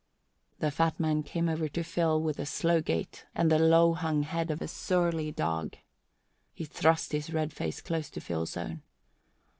The fat man came to Phil with the slow gait and the low hung head of a surly dog. He thrust his red face close to Phil's own.